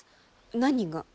何が？